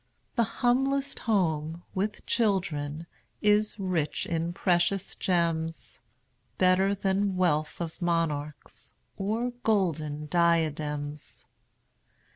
The humblest home, with children, Is rich in precious gems; Better than wealth of monarchs, Or golden diadems.